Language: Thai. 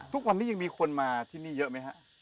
ทุกวันนี้ยังมีคนมาที่นี่เยอะไหมฮะ